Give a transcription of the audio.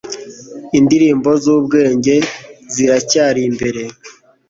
indirimbo zubwenge ziracyari imbere